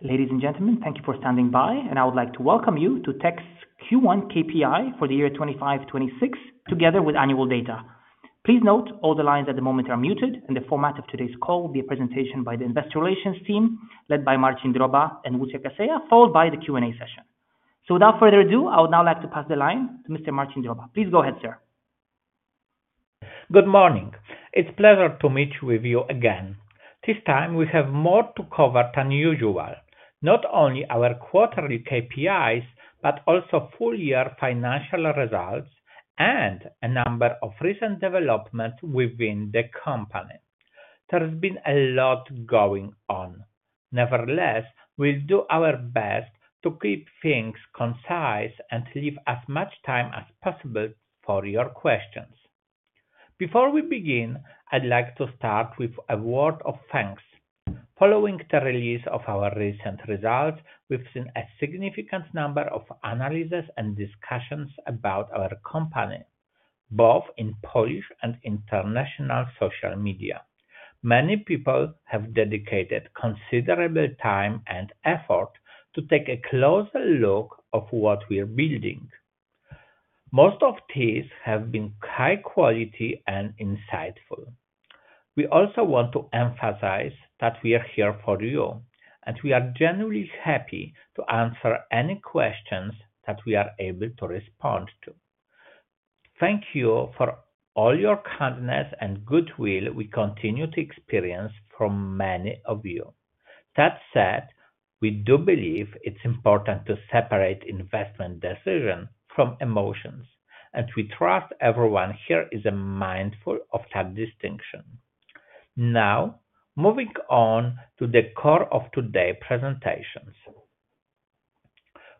Ladies and gentlemen, thank you for standing by, and I would like to Welcome You To Text Q1 KPI For The Year 2025-2026, Together With Annual Data. Please note all the lines at the moment are muted, and the format of today's call will be a presentation by the Investor Relations team led by Marcin Droba and Lucja Kaseja, followed by the Q&A session. Without further due, I would now like to pass the line to Mr. Marcin Droba. Please go ahead, sir. Good morning. It's a pleasure to meet you again. This time we have more to cover than usual: not only our quarterly KPIs, but also full-year financial results and a number of recent developments within the company. There's been a lot going on. Nevertheless, we'll do our best to keep things concise and leave as much time as possible for your questions. Before we begin, I'd like to start with a word of thanks. Following the release of our recent results, we've seen a significant number of analyses and discussions about our company, both in Polish and international social media. Many people have dedicated considerable time and effort to take a closer look at what we're building. Most of these have been high quality and insightful. We also want to emphasize that we are here for you, and we are genuinely happy to answer any questions that we are able to respond to. Thank you for all your kindness and goodwill we continue to experience from many of you. That said, we do believe it's important to separate investment decisions from emotions, and we trust everyone here is mindful of that distinction. Now, moving on to the core of today's presentations.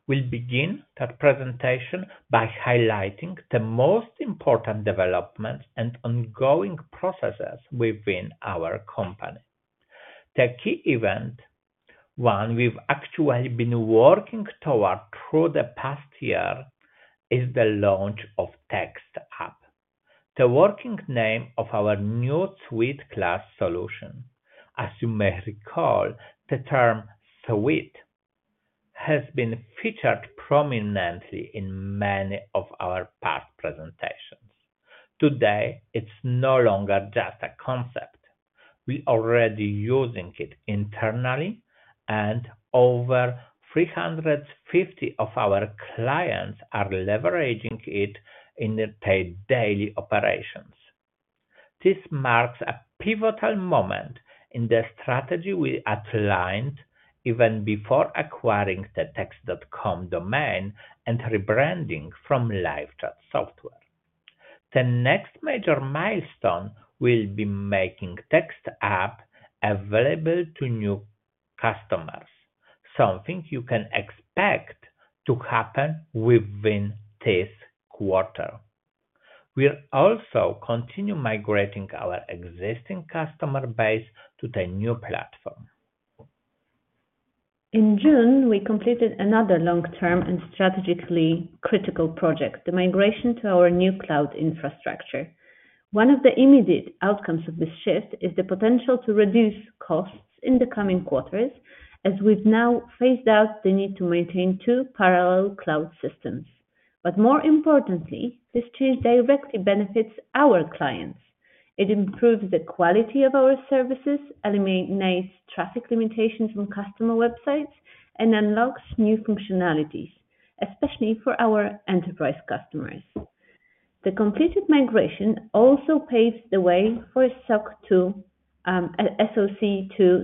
We'll begin that presentation by highlighting the most important developments and ongoing processes within our company. The key event, one we've actually been working toward through the past year, is the launch of the Text app, the working name of our new suite-class solution. As you may recall, the term "suite" has been featured prominently in many of our past presentations. Today, it's no longer just a concept. We're already using it internally, and over 350 of our clients are leveraging it in their daily operations. This marks a pivotal moment in the strategy we outlined even before acquiring the text.com domain and rebranding from LiveChat Software. The next major milestone will be making the Text app available to new customers, something you can expect to happen within this quarter. We'll also continue migrating our existing customer base to the new platform. In June, we completed another long-term and strategically critical project: the migration to our new cloud infrastructure. One of the immediate outcomes of this shift is the potential to reduce costs in the coming quarters, as we have now phased out the need to maintain two parallel cloud systems. More importantly, this change directly benefits our clients. It improves the quality of our services, eliminates traffic limitations on customer websites, and unlocks new functionalities, especially for our enterprise customers. The completed migration also paves the way for a SOC 2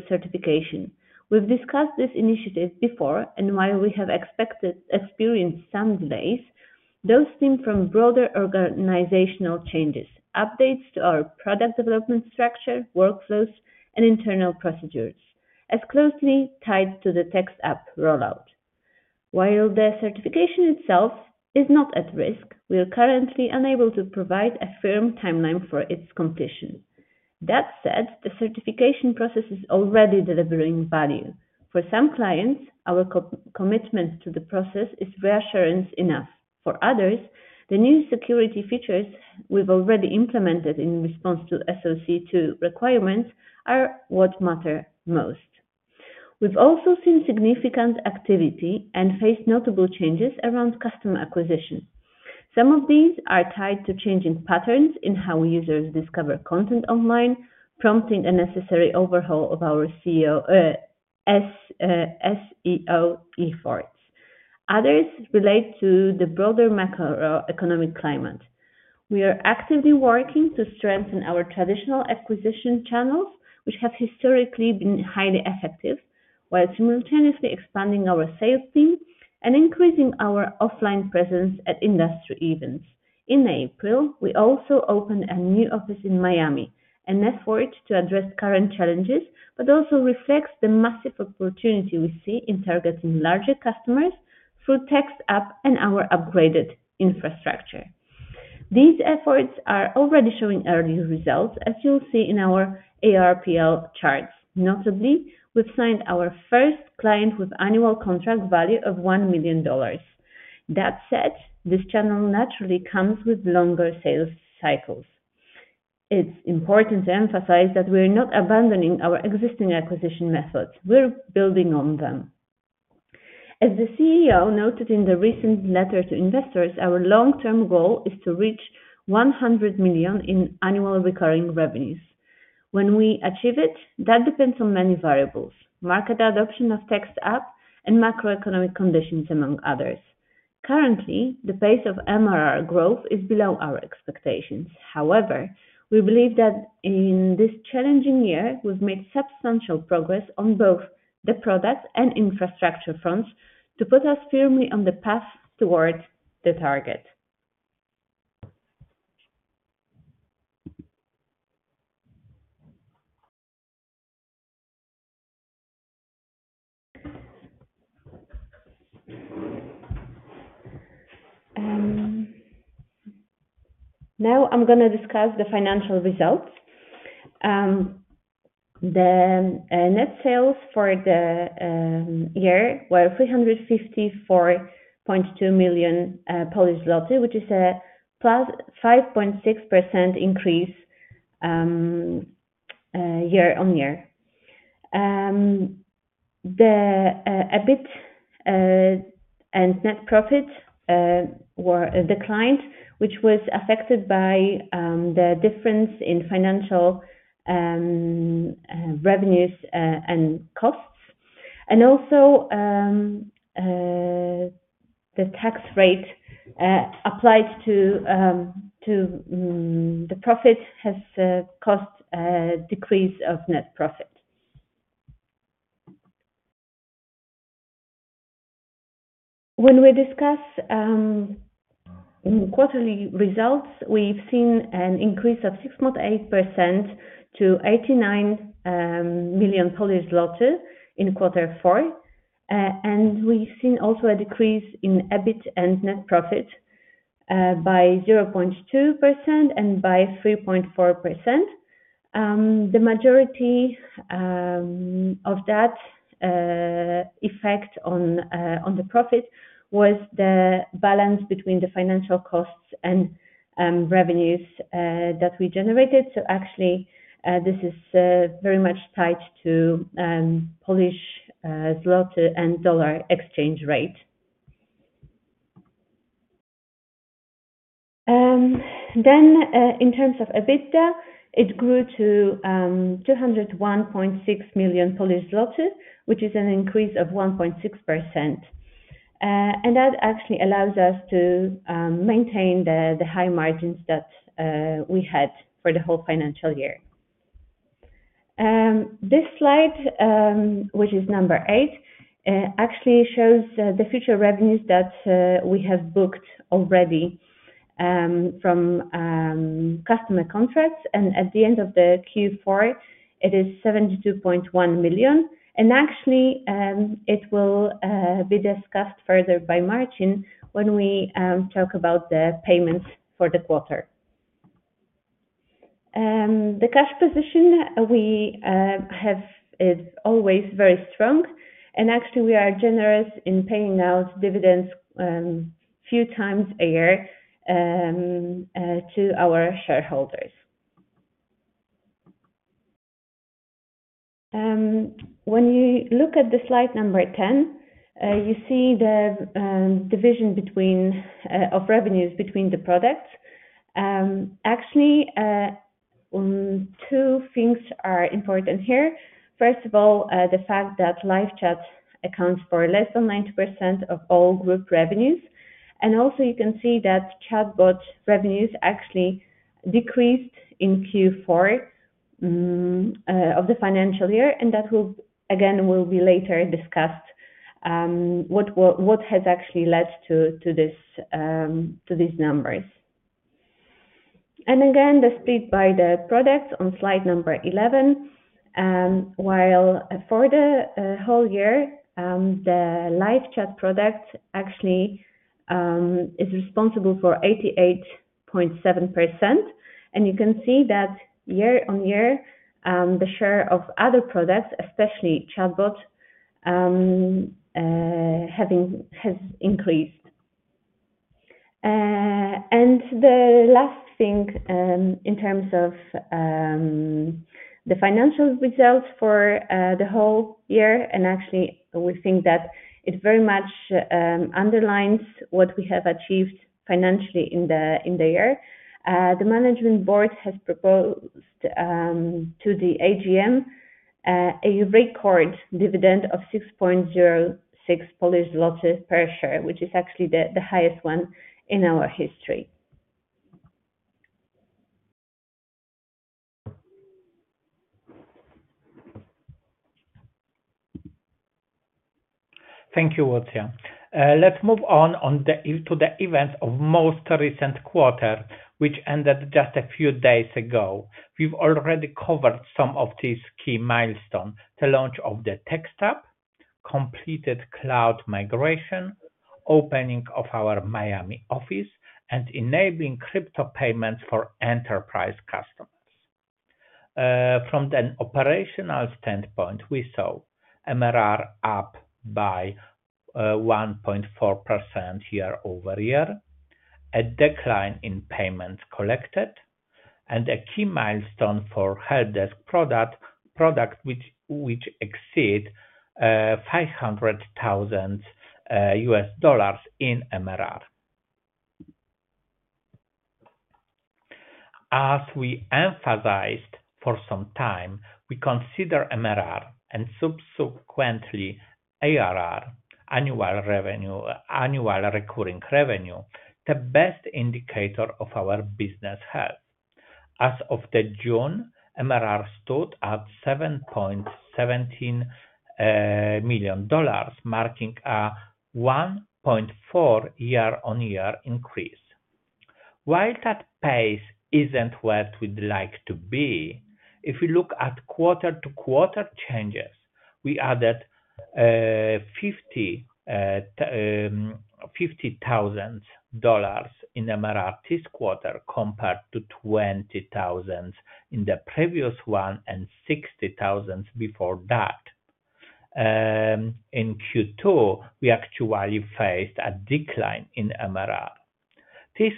certification. We have discussed this initiative before, and while we have experienced some delays, those stem from broader organizational changes, updates to our product development structure, workflows, and internal procedures, as closely tied to the Text app rollout. While the certification itself is not at risk, we are currently unable to provide a firm timeline for its completion. That said, the certification process is already delivering value. For some clients, our commitment to the process is reassurance enough. For others, the new security features we've already implemented in response to SOC 2 requirements are what matter most. We've also seen significant activity and faced notable changes around customer acquisition. Some of these are tied to changing patterns in how users discover content online, prompting a necessary overhaul of our SEO efforts. Others relate to the broader macroeconomic climate. We are actively working to strengthen our traditional acquisition channels, which have historically been highly effective, while simultaneously expanding our sales team and increasing our offline presence at industry events. In April, we also opened a new office in Miami, an effort to address current challenges, but also reflects the massive opportunity we see in targeting larger customers through the Text app and our upgraded infrastructure. These efforts are already showing early results, as you'll see in our ARPL charts. Notably, we've signed our first client with an annual contract value of $1 million. That said, this channel naturally comes with longer sales cycles. It's important to emphasize that we're not abandoning our existing acquisition methods. We're building on them. As the CEO noted in the recent letter to investors, our long-term goal is to reach $100 million in annual recurring revenues. When we achieve it, that depends on many variables: market adoption of the Text app and macroeconomic conditions, among others. Currently, the pace of MRR growth is below our expectations. However, we believe that in this challenging year, we've made substantial progress on both the product and infrastructure fronts to put us firmly on the path toward the target. Now I'm going to discuss the financial results. The net sales for the year were 354.2 million Polish zloty, which is a +5.6% increase year on year. The EBIT and net profit declined, which was affected by the difference in financial revenues and costs. Also, the tax rate applied to the profit has caused a decrease of net profit. When we discuss quarterly results, we've seen an increase of 6.8% to 89 million Polish zloty in quarter four. We've seen also a decrease in EBIT and net profit by 0.2% and by 3.4%. The majority of that effect on the profit was the balance between the financial costs and revenues that we generated. Actually, this is very much tied to Polish złoty and dollar exchange rate. In terms of EBITDA, it grew to 201.6 million Polish zloty, which is an increase of 1.6%. That actually allows us to maintain the high margins that we had for the whole financial year. This slide, which is number eight, actually shows the future revenues that we have booked already from customer contracts. At the end of Q4, it is 72.1 million. It will be discussed further by Marcin when we talk about the payments for the quarter. The cash position we have is always very strong. We are generous in paying out dividends a few times a year to our shareholders. When you look at slide number 10, you see the division of revenues between the products. Two things are important here. First of all, the fact that LiveChat accounts for less than 90% of all group revenues. Also, you can see that Chatbot revenues actually decreased in Q4 of the financial year. That will, again, be later discussed, what has actually led to these numbers. Again, the split by the products on slide number 11. While for the whole year, the LiveChat product actually is responsible for 88.7%. You can see that year on year, the share of other products, especially Chatbot, has increased. The last thing in terms of the financial results for the whole year, and actually, we think that it very much underlines what we have achieved financially in the year. The Management Board has proposed to the AGM a record dividend of 6.06 per share, which is actually the highest one in our history. Thank you, Lucja. Let's move on to the events of the most recent quarter, which ended just a few days ago. We've already covered some of these key milestones: the launch of the Text app, completed cloud migration, opening of our Miami office, and enabling crypto payments for enterprise customers. From the operational standpoint, we saw MRR up by 1.4% year over year, a decline in payments collected, and a key milestone for Helpdesk product, which exceeded $500,000 in MRR. As we emphasized for some time, we consider MRR and subsequently ARR, annual recurring revenue, the best indicator of our business health. As of June, MRR stood at $7.17 million, marking a 1.4% year-on-year increase. While that pace isn't where we'd like to be, if we look at quarter-to-quarter changes, we added $50,000 in MRR this quarter compared to $20,000 in the previous one and $60,000 before that. In Q2, we actually faced a decline in MRR. This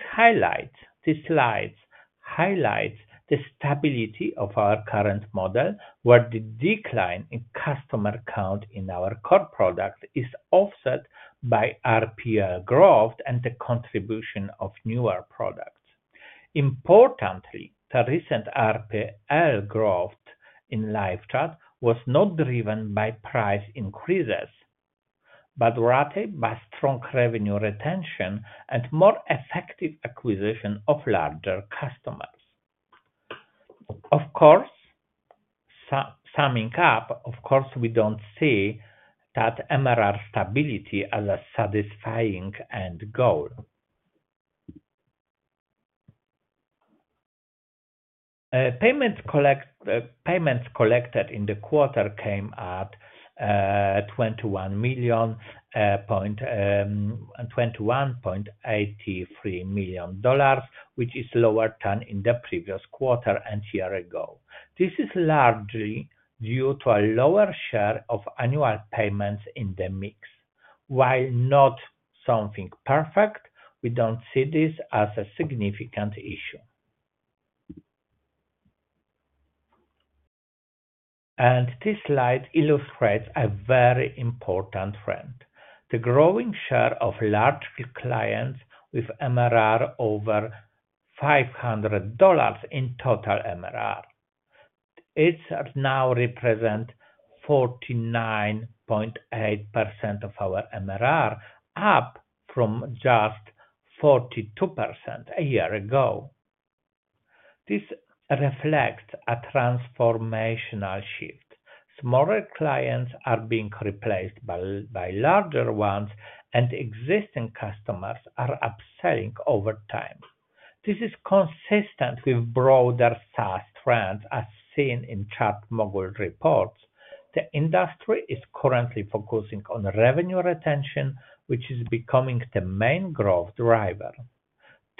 slide highlights the stability of our current model, where the decline in customer count in our core product is offset by RPL growth and the contribution of newer products. Importantly, the recent RPL growth in LiveChat was not driven by price increases, but rather by strong revenue retention and more effective acquisition of larger customers. Of course, summing up, we do not see that MRR stability as a satisfying end goal. Payments collected in the quarter came at $21.83 million, which is lower than in the previous quarter and year ago. This is largely due to a lower share of annual payments in the mix. While not something perfect, we do not see this as a significant issue. This slide illustrates a very important trend: the growing share of large clients with MRR over $500 in total MRR. It now represents 49.8% of our MRR, up from just 42% a year ago. This reflects a transformational shift. Smaller clients are being replaced by larger ones, and existing customers are upselling over time. This is consistent with broader SaaS trends as seen in Chart Mogul reports. The industry is currently focusing on revenue retention, which is becoming the main growth driver.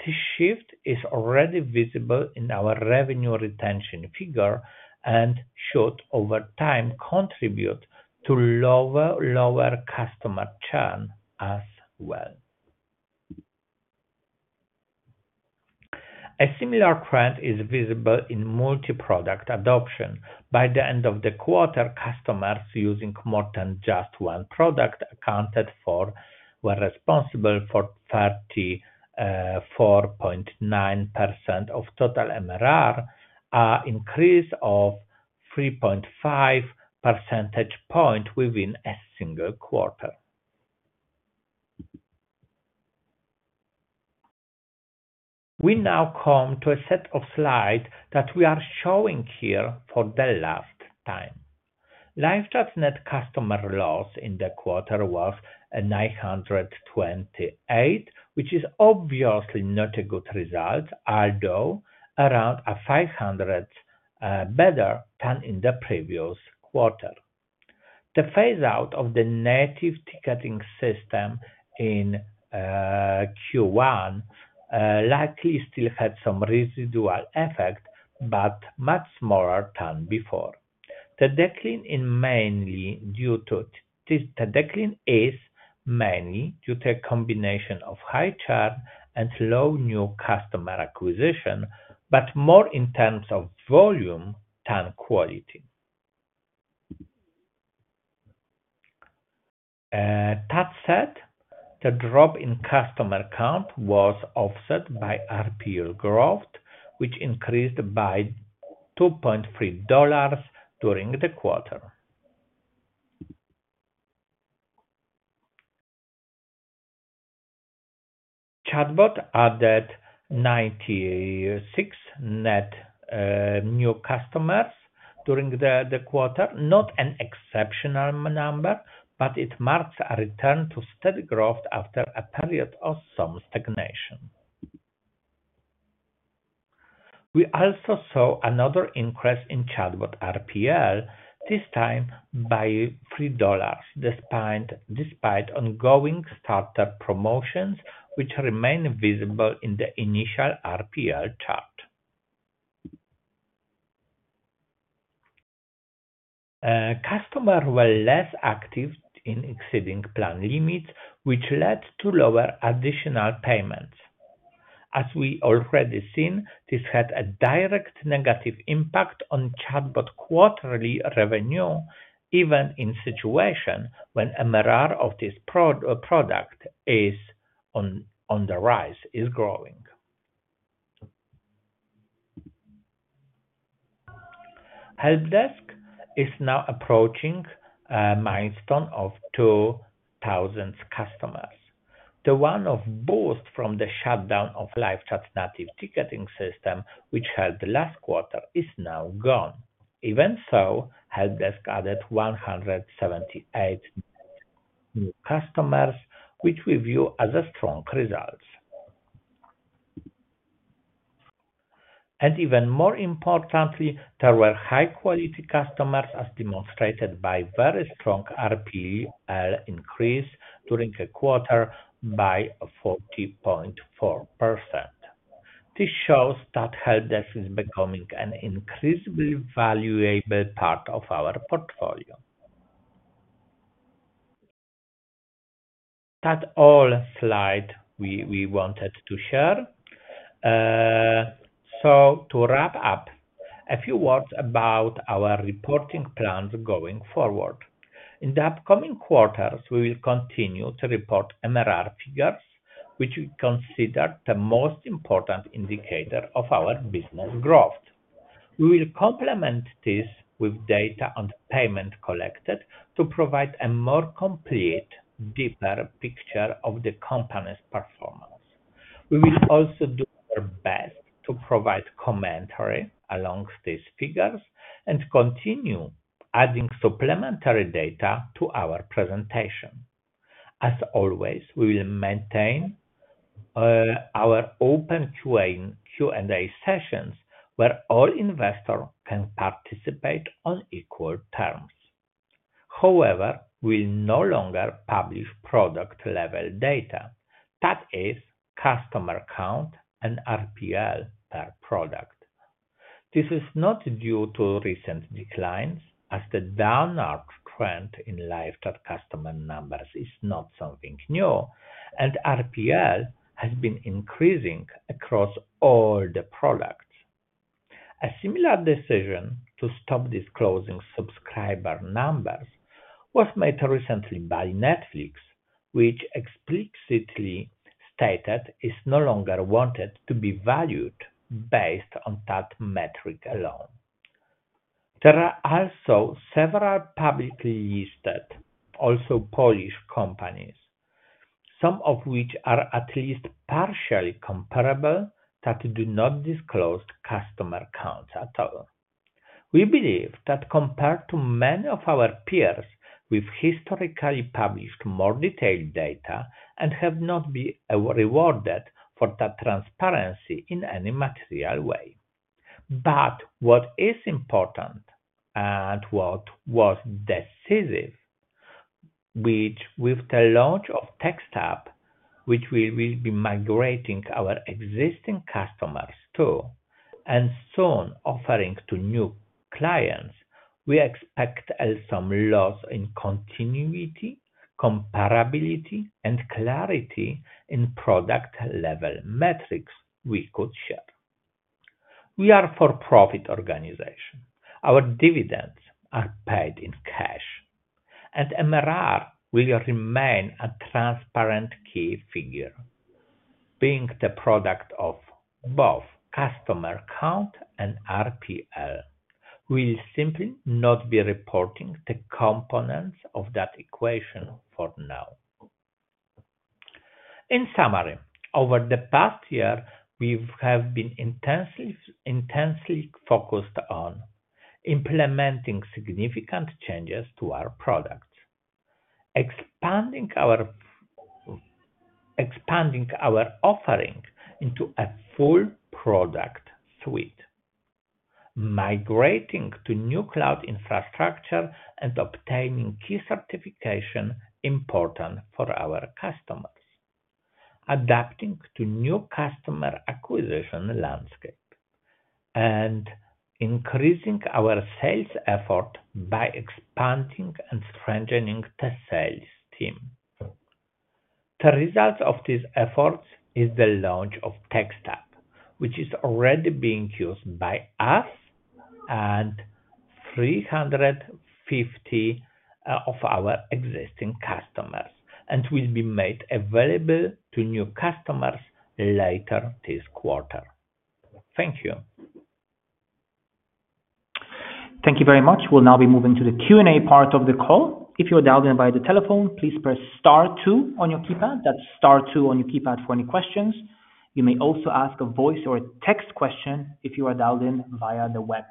This shift is already visible in our revenue retention figure and should, over time, contribute to lower customer churn as well. A similar trend is visible in multi-product adoption. By the end of the quarter, customers using more than just one product were responsible for 34.9% of total MRR, an increase of 3.5 percentage points within a single quarter. We now come to a set of slides that we are showing here for the last time. LiveChat's net customer loss in the quarter was 928, which is obviously not a good result, although around 500 better than in the previous quarter. The phase-out of the native ticketing system in Q1 likely still had some residual effect, but much smaller than before. The decline is mainly due to a combination of high churn and low new customer acquisition, but more in terms of volume than quality. That said, the drop in customer count was offset by RPL growth, which increased by $2.3 during the quarter. Chatbot added 96 net new customers during the quarter, not an exceptional number, but it marks a return to steady growth after a period of some stagnation. We also saw another increase in Chatbot RPL, this time by $3, despite ongoing starter promotions, which remain visible in the initial RPL chart. Customers were less active in exceeding plan limits, which led to lower additional payments. As we already seen, this had a direct negative impact on Chatbot quarterly revenue, even in a situation when MRR of this product is on the rise, is growing. Helpdesk is now approaching a milestone of 2,000 customers. The one-off boost from the shutdown of LiveChat's native ticketing system, which held last quarter, is now gone. Even so, Helpdesk added 178 new customers, which we view as strong results. Even more importantly, there were high-quality customers, as demonstrated by a very strong RPL increase during a quarter by 40.4%. This shows that Helpdesk is becoming an increasingly valuable part of our portfolio. That is all the slides we wanted to share. To wrap up, a few words about our reporting plans going forward. In the upcoming quarters, we will continue to report MRR figures, which we consider the most important indicator of our business growth. We will complement this with data on payments collected to provide a more complete, deeper picture of the company's performance. We will also do our best to provide commentary along these figures and continue adding supplementary data to our presentation. As always, we will maintain our open Q&A sessions where all investors can participate on equal terms. However, we will no longer publish product-level data, that is, customer count and RPL per product. This is not due to recent declines, as the downward trend in LiveChat customer numbers is not something new, and RPL has been increasing across all the products. A similar decision to stop disclosing subscriber numbers was made recently by Netflix, which explicitly stated it no longer wanted to be valued based on that metric alone. There are also several publicly listed, also Polish companies, some of which are at least partially comparable that do not disclose customer counts at all. We believe that compared to many of our peers, we've historically published more detailed data and have not been rewarded for that transparency in any material way. What is important and what was decisive, which with the launch of Text app, which we will be migrating our existing customers to and soon offering to new clients, we expect some loss in continuity, comparability, and clarity in product-level metrics we could share. We are a for-profit organization. Our dividends are paid in cash. MRR will remain a transparent key figure. Being the product of both customer count and RPL, we will simply not be reporting the components of that equation for now. In summary, over the past year, we have been intensely focused on implementing significant changes to our products, expanding our offering into a full product suite, migrating to new cloud infrastructure, and obtaining key certification important for our customers, adapting to new customer acquisition landscape, and increasing our sales effort by expanding and strengthening the sales team. The result of these efforts is the launch of Text app, which is already being used by us and 350 of our existing customers, and will be made available to new customers later this quarter. Thank you. Thank you very much. We will now be moving to the Q&A part of the call. If you are dialed in via the telephone, please press Star 2 on your keypad. That is Star 2 on your keypad for any questions. You may also ask a voice or a text question if you are dialed in via the web.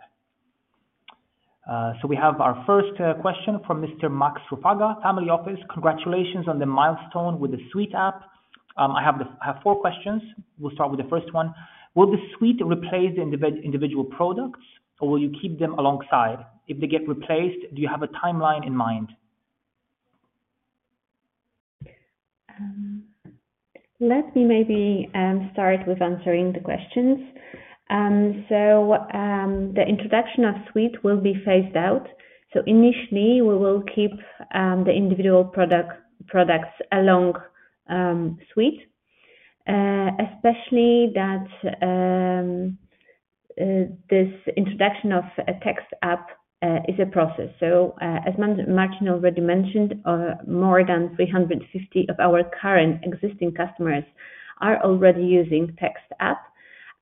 We have our first question from Mr. Max Rosaga, Family Office. Congratulations on the milestone with the Suite app.I have four questions. We will start with the first one. Will the Suite replace the individual products, or will you keep them alongside? If they get replaced, do you have a timeline in mind? Let me maybe start with answering the questions. The introduction of Suite will be phased out. Initially, we will keep the individual products along Suite, especially that this introduction of a Text app is a process. As Marcin already mentioned, more than 350 of our current existing customers are already using Text app.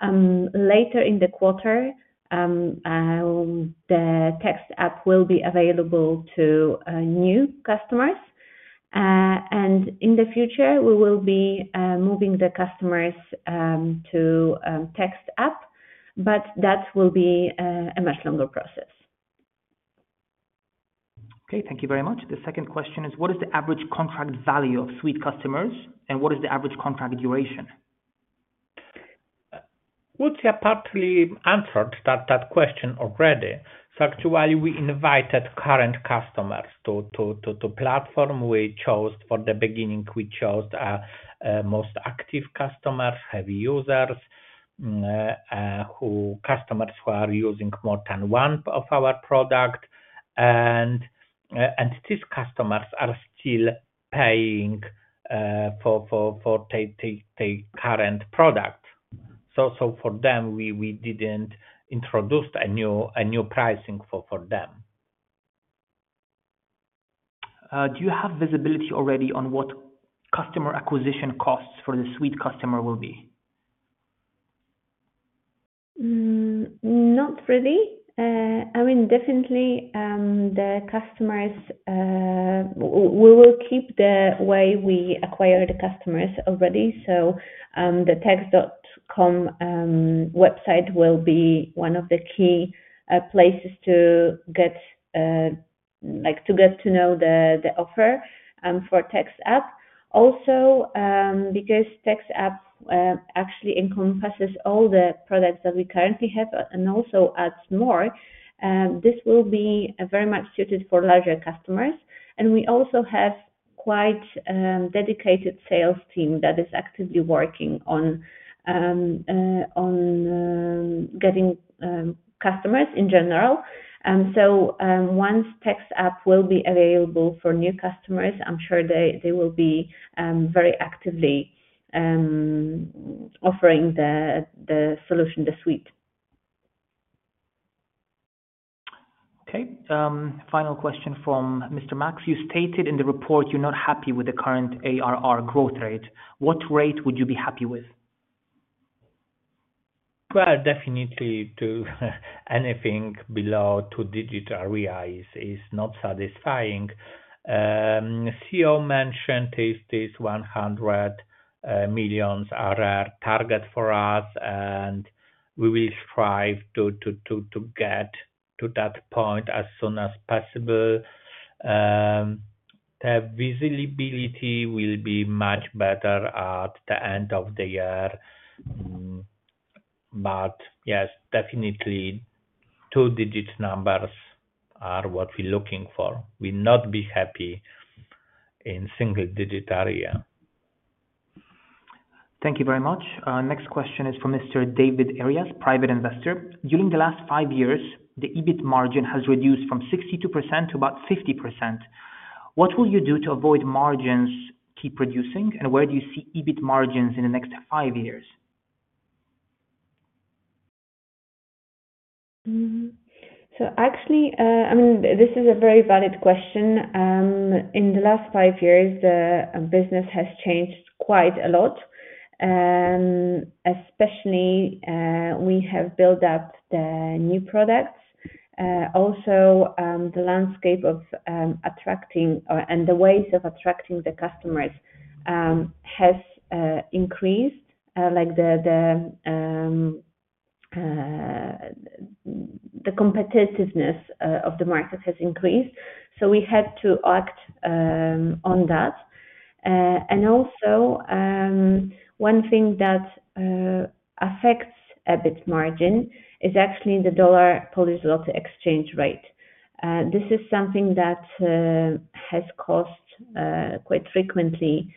Later in the quarter, the Text app will be available to new customers. In the future, we will be moving the customers to Text app, but that will be a much longer process. Okay. Thank you very much. The second question is, what is the average contract value of Suite customers, and what is the average contract duration? We've apparently answered that question already. Actually, we invited current customers to the platform. We chose for the beginning, we chose our most active customers, heavy users, who are customers who are using more than one of our products. These customers are still paying for their current product. For them, we did not introduce a new pricing for them. Do you have visibility already on what customer acquisition costs for the Suite customer will be? Not really. I mean, definitely, the customers we will keep the way we acquire the customers already. The text.com website will be one of the key places to get to know the offer for Text app. Also, because Text app actually encompasses all the products that we currently have and also adds more, this will be very much suited for larger customers. We also have quite a dedicated sales team that is actively working on getting customers in general. Once Text app will be available for new customers, I'm sure they will be very actively offering the solution, the Suite. Okay. Final question from Mr. Max. You stated in the report you're not happy with the current ARR growth rate. What rate would you be happy with? Definitely anything below two-digit ROI is not satisfying. CEO mentioned this $100 million ARR target for us, and we will strive to get to that point as soon as possible. The visibility will be much better at the end of the year. Yes, definitely two-digit numbers are what we're looking for. We'll not be happy in single-digit area. Thank you very much. Next question is from Mr. David Arias, Private Investor. During the last five years, the EBIT margin has reduced from 62% to about 50%. What will you do to avoid margins keep reducing, and where do you see EBIT margins in the next five years? Actually, I mean, this is a very valid question. In the last five years, the business has changed quite a lot, especially we have built up the new products. Also, the landscape of attracting and the ways of attracting the customers has increased, like the competitiveness of the market has increased. We had to act on that. Also, one thing that affects EBIT margin is actually the dollar Polish złoty exchange rate. This is something that has caused quite frequently,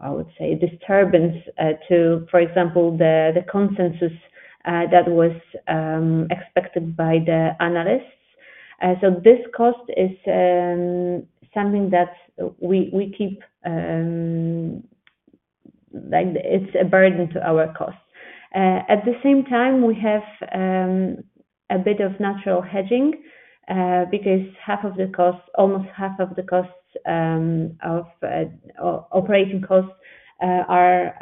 I would say, disturbance to, for example, the consensus that was expected by the analysts. This cost is something that we keep, it's a burden to our cost. At the same time, we have a bit of natural hedging because half of the cost, almost half of the costs of operating costs are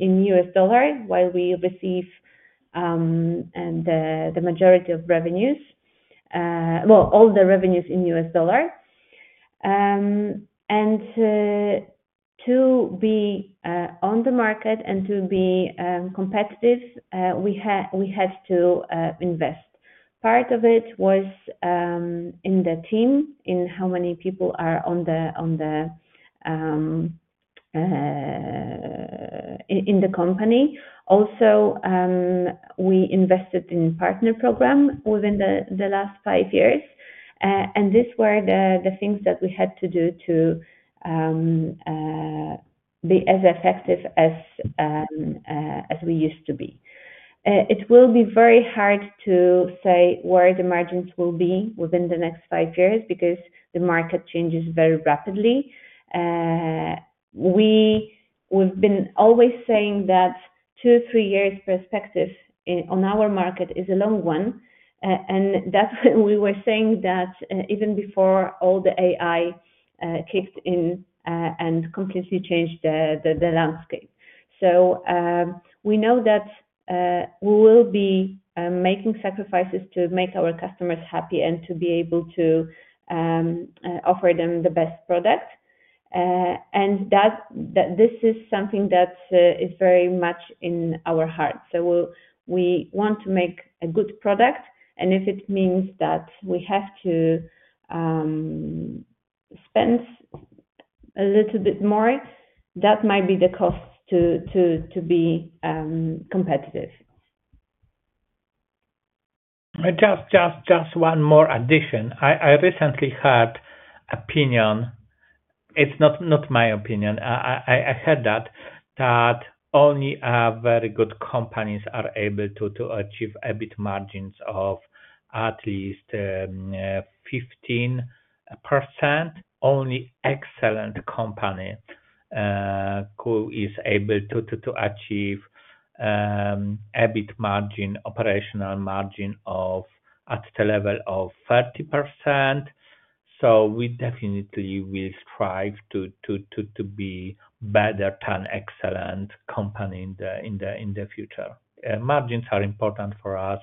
in U.S. dollars, while we receive the majority of revenues, well, all the revenues in U.S. dollars. To be on the market and to be competitive, we had to invest. Part of it was in the team, in how many people are on the company. Also, we invested in partner programs within the last five years. These were the things that we had to do to be as effective as we used to be. It will be very hard to say where the margins will be within the next five years because the market changes very rapidly. We've been always saying that two or three years' perspective on our market is a long one. That is why we were saying that even before all the AI kicked in and completely changed the landscape. We know that we will be making sacrifices to make our customers happy and to be able to offer them the best product. This is something that is very much in our heart. We want to make a good product. If it means that we have to spend a little bit more, that might be the cost to be competitive. Just one more addition. I recently heard an opinion; it's not my opinion. I heard that only very good companies are able to achieve EBIT margins of at least 15%. Only an excellent company is able to achieve EBIT margin, operational margin at the level of 30%. We definitely will strive to be better than excellent companies in the future. Margins are important for us.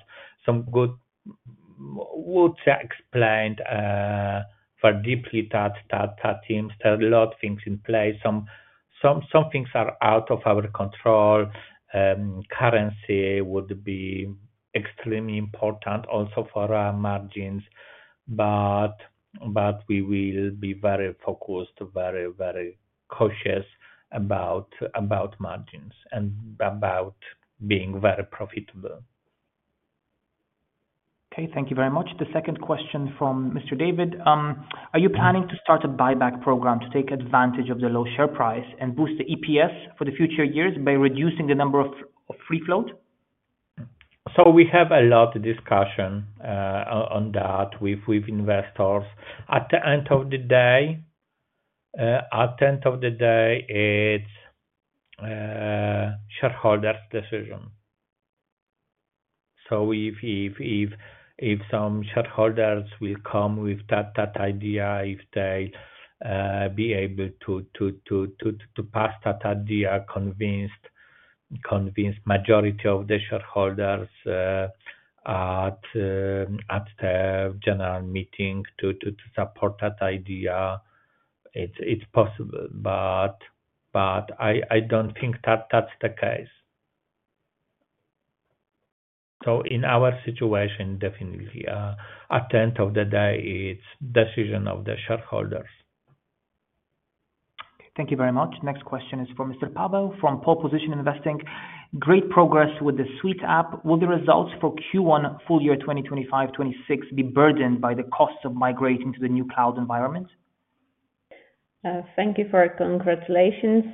What you explained for deeply touched teams, there are a lot of things in place. Some things are out of our control. Currency would be extremely important also for our margins. We will be very focused, very, very cautious about margins and about being very profitable. Okay. Thank you very much. The second question from Mr. David. Are you planning to start a buyback program to take advantage of the low share price and boost the EPS for the future years by reducing the number of free float? We have a lot of discussion on that with investors. At the end of the day, it's shareholders' decision. If some shareholders will come with that idea, if they are able to pass that idea, convince the majority of the shareholders at the general meeting to support that idea, it's possible. I don't think that that's the case. In our situation, definitely at the end of the day, it's decision of the shareholders. Thank you very much. Next question is from Mr. Pablo from Pole Position Investing. Great progress with the Suite app. Will the results for Q1, full year 2025-2026 be burdened by the cost of migrating to the new cloud environment? Thank you for congratulations.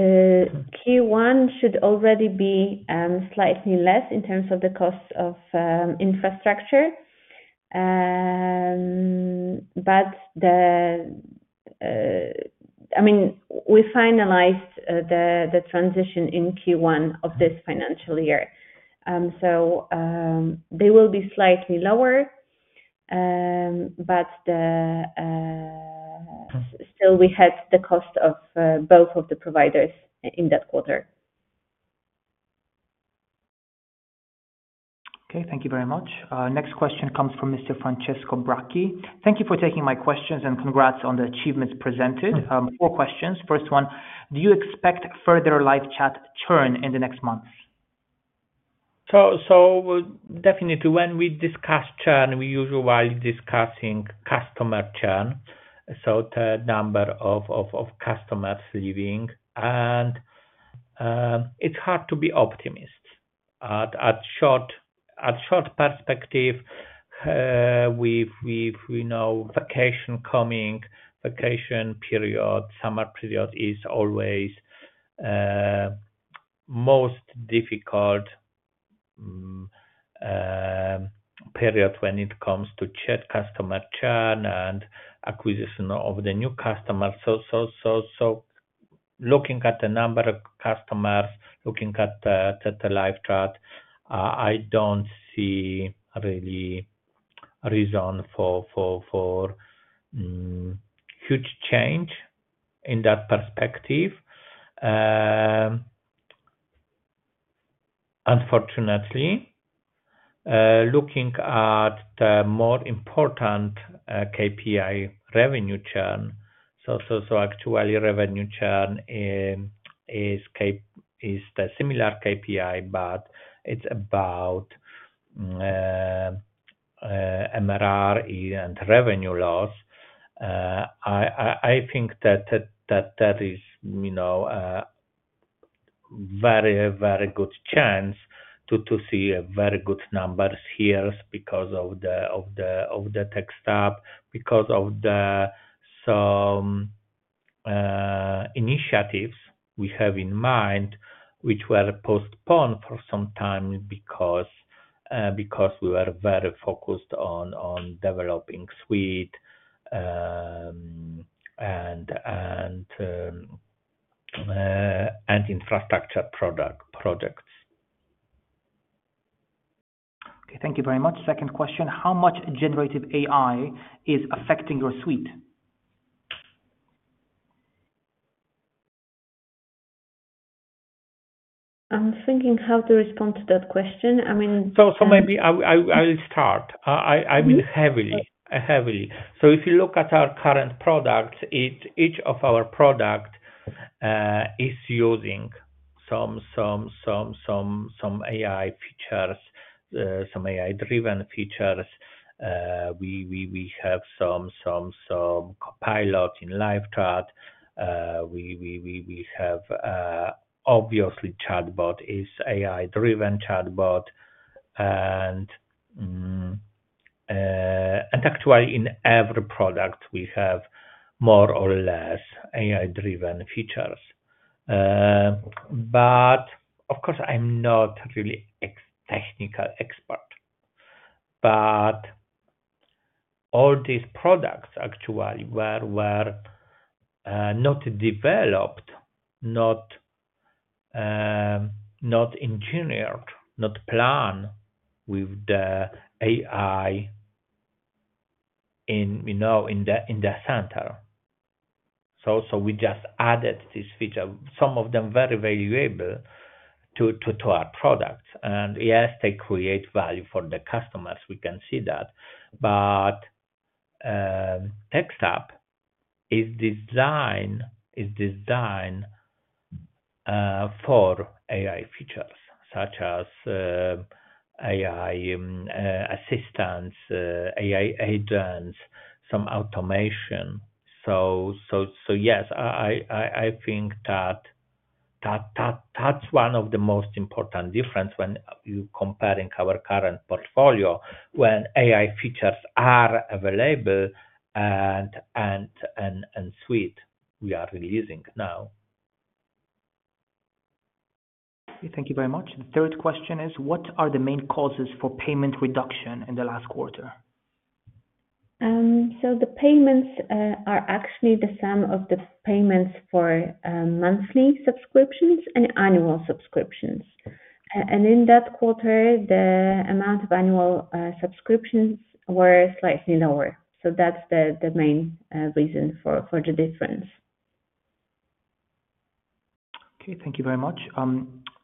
Q1 should already be slightly less in terms of the cost of infrastructure. I mean, we finalized the transition in Q1 of this financial year. They will be slightly lower, but still, we had the cost of both of the providers in that quarter. Okay. Thank you very much. Next question comes from Mr. Francesco Brachi. Thank you for taking my questions and congrats on the achievements presented. Four questions. First one, do you expect further LiveChat churn in the next months? Definitely, when we discuss churn, we usually are discussing customer churn, so the number of customers leaving. It is hard to be optimist. At short perspective, we know vacation coming, vacation period, summer period is always the most difficult period when it comes to chat customer churn and acquisition of new customers. Looking at the number of customers, looking at the LiveChat, I do not see really a reason for huge change in that perspective. Unfortunately, looking at the more important KPI, revenue churn, actually, revenue churn is the similar KPI, but it is about MRR and revenue loss. I think that there is a very, very good chance to see very good numbers here because of the Text app, because of the initiatives we have in mind, which were postponed for some time because we were very focused on developing Suite and infrastructure projects. Okay. Thank you very much. Second question, how much generative AI is affecting your Suite? I'm thinking how to respond to that question. I mean. Maybe I will start. I mean, heavily, heavily. If you look at our current products, each of our products is using some AI features, some AI-driven features. We have some copilot in LiveChat. Obviously, Chatbot is AI-driven Chatbot. Actually, in every product, we have more or less AI-driven features. Of course, I'm not really a technical expert. All these products actually were not developed, not engineered, not planned with the AI in the center. We just added this feature. Some of them are very valuable to our products. Yes, they create value for the customers. We can see that. Text app is designed for AI features such as AI assistants, AI agents, some automation. Yes, I think that's one of the most important differences when you're comparing our current portfolio when AI features are available and Suite we are releasing now. Thank you very much. The third question is, what are the main causes for payment reduction in the last quarter? The payments are actually the sum of the payments for monthly subscriptions and annual subscriptions. In that quarter, the amount of annual subscriptions were slightly lower. That is the main reason for the difference. Okay. Thank you very much.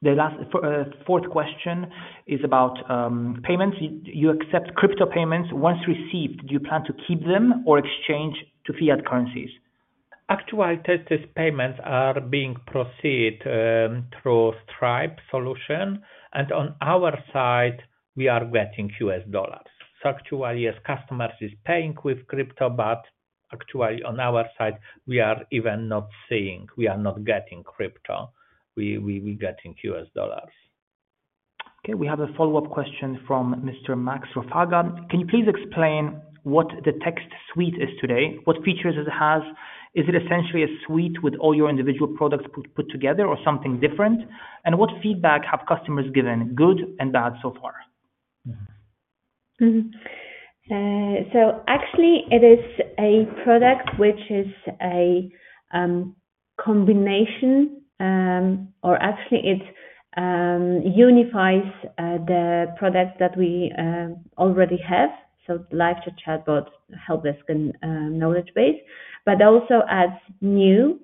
The last fourth question is about payments. You accept crypto payments. Once received, do you plan to keep them or exchange to fiat currencies? Actually, these payments are being proceeded through Stripe solution. On our side, we are getting US dollars. Actually, as customers are paying with crypto, but actually, on our side, we are even not seeing, we are not getting crypto. We are getting US dollars. Okay. We have a follow-up question from Mr. Max Rosaga. Can you please explain what the Text Suite is today? What features does it have? Is it essentially a Suite with all your individual products put together or something different? What feedback have customers given, good and bad so far? Actually, it is a product which is a combination, or actually, it unifies the products that we already have. LiveChat, Chatbot, Helpdesk, and Knowledge Base, but also adds new.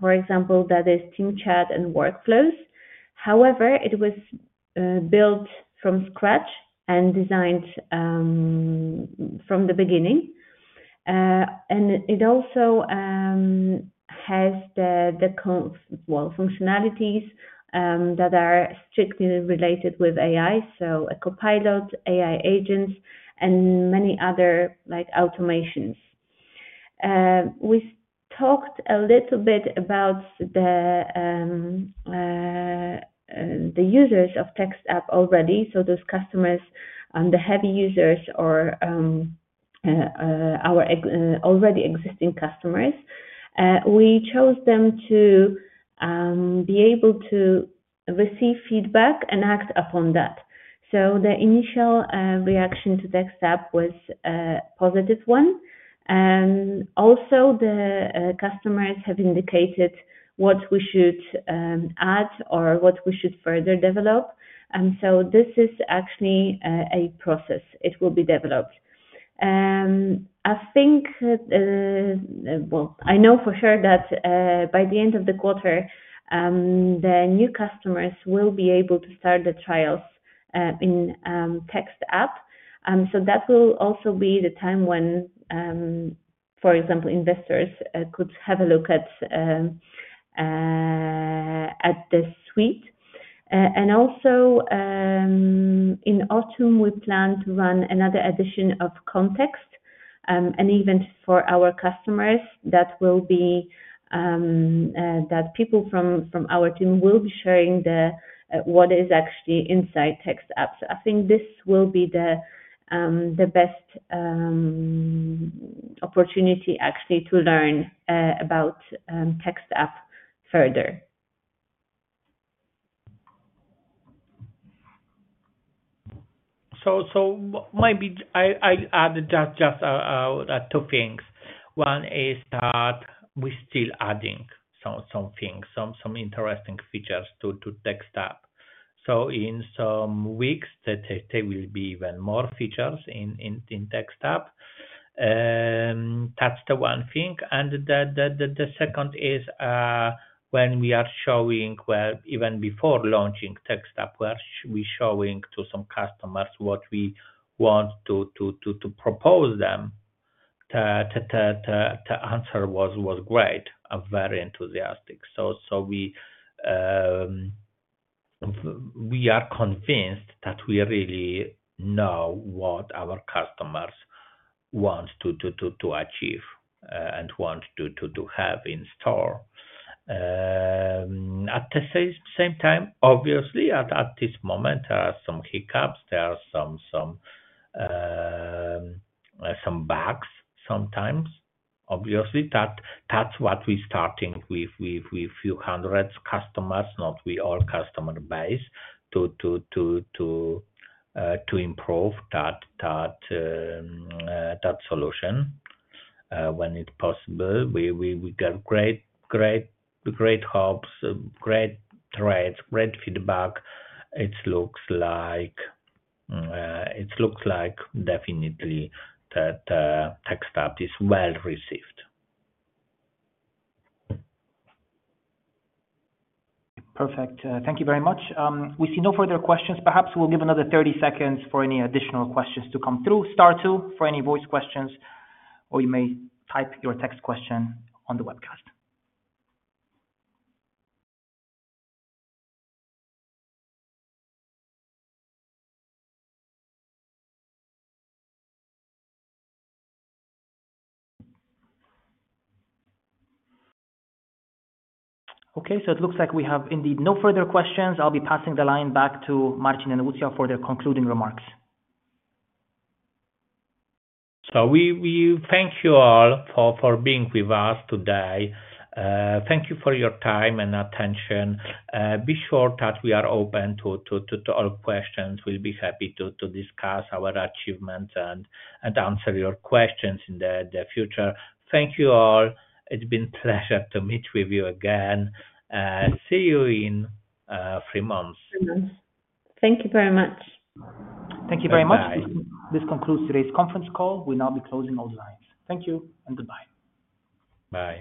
For example, that is team chat and workflows. However, it was built from scratch and designed from the beginning. It also has the functionalities that are strictly related with AI, so a copilot, AI agents, and many other automations. We talked a little bit about the users of Text app already. Those customers, the heavy users or our already existing customers, we chose them to be able to receive feedback and act upon that. The initial reaction to Text app was a positive one. Also, the customers have indicated what we should add or what we should further develop. This is actually a process. It will be developed. I think, I know for sure that by the end of the quarter, new customers will be able to start the trials in Text app. That will also be the time when, for example, investors could have a look at the Suite. Also, in autumn, we plan to run another edition of Context, an event for our customers, where people from our team will be sharing what is actually inside Text apps. I think this will be the best opportunity actually to learn about Text app further. Maybe I'll add just two things. One is that we're still adding some things, some interesting features to Text app. In some weeks, there will be even more features in Text app. That's the one thing. The second is when we are showing, even before launching Text app, we're showing to some customers what we want to propose them. The answer was great. I'm very enthusiastic. We are convinced that we really know what our customers want to achieve and want to have in store. At the same time, obviously, at this moment, there are some hiccups. There are some bugs sometimes. Obviously, that's why we're starting with a few hundred customers, not with all customer base, to improve that solution when it's possible. We got great hopes, great threads, great feedback. It looks like definitely that Text app is well received. Perfect. Thank you very much. We see no further questions. Perhaps we will give another 30 seconds for any additional questions to come through. Star two for any voice questions, or you may type your text question on the webcast. Okay. It looks like we have indeed no further questions. I will be passing the line back to Marcin and Lucja for their concluding remarks. We thank you all for being with us today. Thank you for your time and attention. Be sure that we are open to all questions. We'll be happy to discuss our achievements and answer your questions in the future. Thank you all. It's been a pleasure to meet with you again. See you in three months. Thank you very much. Thank you very much. This concludes today's conference call. We'll now be closing all the lines. Thank you and goodbye. Bye.